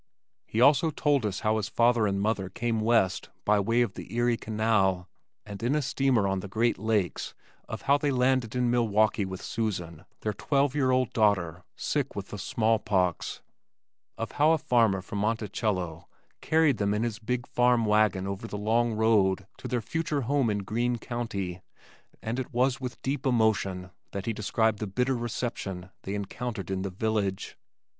He also told us how his father and mother came west by way of the Erie Canal, and in a steamer on the Great Lakes, of how they landed in Milwaukee with Susan, their twelve year old daughter, sick with the smallpox; of how a farmer from Monticello carried them in his big farm wagon over the long road to their future home in Green county and it was with deep emotion that he described the bitter reception they encountered in the village.